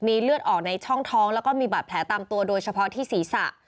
เลือดออกในช่องท้องแล้วก็มีบาดแผลตามตัวโดยเฉพาะที่ศีรษะ